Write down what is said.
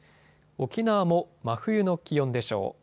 沖縄も真冬の気温でしょう。